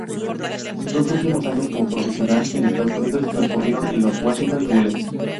Sus dos últimos años como profesional en Estados Unidos transcurrieron en los Washington Bullets.